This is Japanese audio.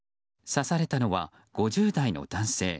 刺されたのは５０代の男性。